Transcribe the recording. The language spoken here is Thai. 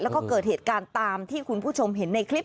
แล้วก็เกิดเหตุการณ์ตามที่คุณผู้ชมเห็นในคลิป